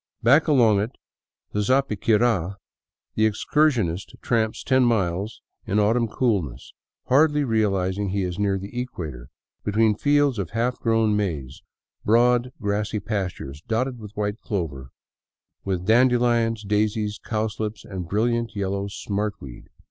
Back along it to Zapiquira the excursionist tramps ten miles in autumn coolness, hardly realizing he is near the equator, between fields of half grown maize, broad grassy pastures dotted with white clover, with dandelions, daisies, cowslips, and brilliant yellow " smart weed."